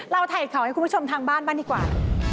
เราถ่ายของให้คุณผู้ชมทางบ้านบ้างดีกว่า